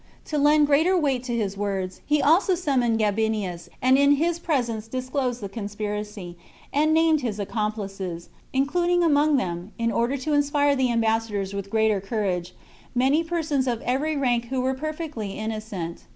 To lend greater weight to his words, he also summoned Gabinius, and in his presence dis closed the conspiracy, and named his accomplices, including among them, in order to inspire the ambas sadors with greater courage, many persons of every THE CONSPIRACY OF CATILINE. 35 rank who were perfectly innocent.